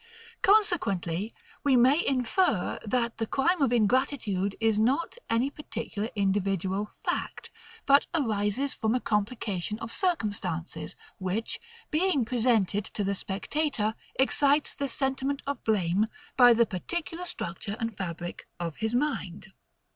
Consequently, we may infer, that the crime of ingratitude is not any particular individual FACT; but arises from a complication of circumstances, which, being presented to the spectator, excites the SENTIMENT of blame, by the particular structure and fabric of his mind.